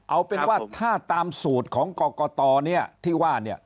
เอาเป็นว่าถ้าตามสูตรของกรกฎที่ว่า